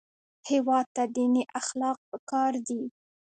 هېواد ته دیني اخلاق پکار دي